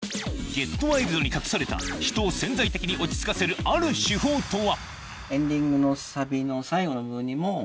『ＧｅｔＷｉｌｄ』に隠された人を潜在的に落ち着かせるある手法とは？